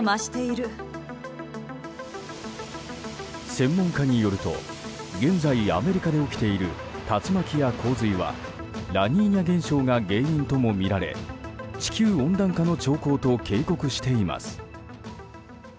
専門家によると現在、アメリカで起きている竜巻や洪水はラニーニャ現象が原因ともみられ地球温暖化の兆候と警告しています。